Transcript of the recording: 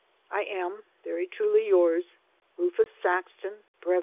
I am very truly yours, RUFUS SAXTOX, Bvt.